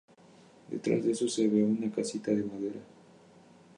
Detrás de estos se ve una casita de madera.